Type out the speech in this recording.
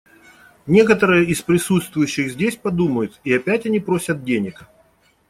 Некоторые из присутствующих здесь подумают: «И опять они просят денег».